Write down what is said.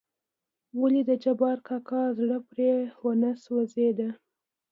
ولې دجبار کاکا زړه پرې ونه سوزېد .